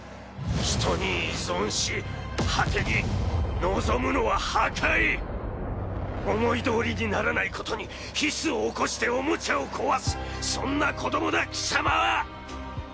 人に依存し果てに望むのは破壊！思いどおりにならないことにヒスを起こしておもちゃを壊すそんな子どもだ貴様は！